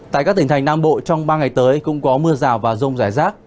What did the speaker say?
tại các tỉnh thành nam bộ trong ba ngày tới cũng có mưa rào và rông rải rác